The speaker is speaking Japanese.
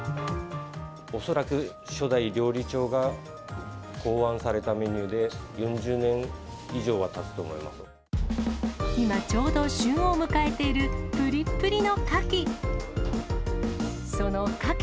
恐らく初代料理長が考案されたメニューで、今、ちょうど旬を迎えているぷりっぷりのカキ。